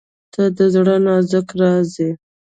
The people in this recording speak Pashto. • ته د زړه نازک راز یې.